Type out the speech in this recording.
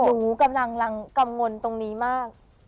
หนูกำลังกำลังกำลังตรงนี้มาก